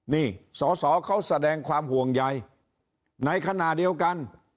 นี่สอสอเขาแสดงความห่วงใยในขณะเดียวกัน